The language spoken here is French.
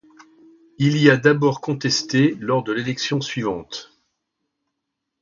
Il y a d'abord contestée lors de l'élection suivante.